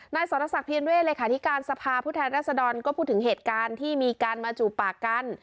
นายสรษะศักดิ์พิเภนเวศ์เลยคาทิการสภาผู้แทนรัศดรก็พูดถึงเหตุการณ์ที่มีการมาจูบปากกัน